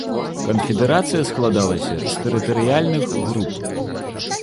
Канфедэрацыя складалася з тэрытарыяльных груп.